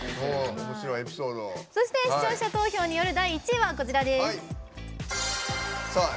そして視聴者投票による第１位はこちら。